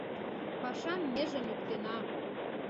Пашам меже моктена.